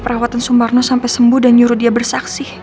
perawatan sumarno sampai sembuh dan nyuruh dia bersaksi